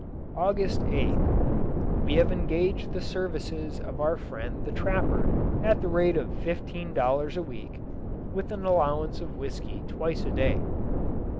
August 8th. We have engaged the services of our friend the trapper at the rate of fifteen dollars a week, with an allowance of whisky twice a day.